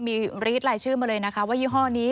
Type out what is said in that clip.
มีรีดลายชื่อมาเลยนะคะว่ายี่ห้อนี้